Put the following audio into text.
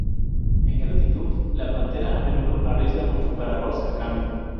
En gratitud, la Pantera a menudo arriesga mucho para Ross a cambio.